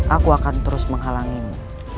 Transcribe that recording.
aku akan terus menghalangimu